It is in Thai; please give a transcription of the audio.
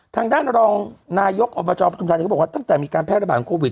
ทางด้านรองนายกอบประชาวปฐุมธาณฑ์เนี้ยเขาบอกว่าตั้งแต่มีการแพทย์ระบาดของโควิด